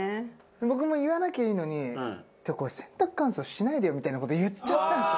僕も言わなきゃいいのに「これ洗濯乾燥しないでよ」みたいな事言っちゃったんですよ。